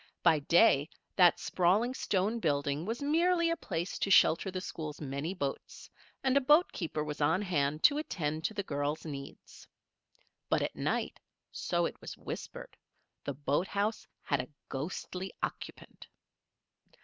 By day that sprawling stone building was merely a place to shelter the school's many boats, and a boatkeeper was on hand to attend to the girls' needs. But at night, so it was whispered, the boathouse had a ghostly occupant.